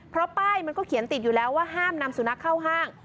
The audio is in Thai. เพราะป้ายมันก็เขียนติดอยู่แล้วว่าห้ามนำสุนัขเข้าห้าง